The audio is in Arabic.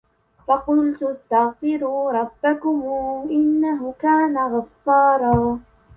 فقلت استغفروا ربكم إنه كان غفارا